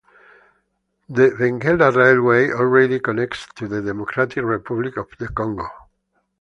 The Benguela Railway already connects to the Democratic Republic of the Congo.